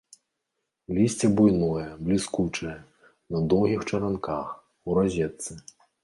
Лісце буйное, бліскучае, на доўгіх чаранках, у разетцы.